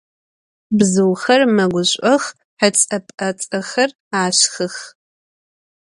Bzıuxer meguş'ox, hets'e - p'ats'exer aşşxıx.